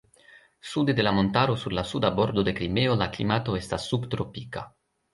Sude de la montaro sur la Suda Bordo de Krimeo la klimato estas subtropika.